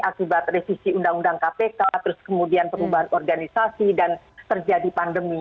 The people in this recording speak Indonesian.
akibat revisi undang undang kpk terus kemudian perubahan organisasi dan terjadi pandemi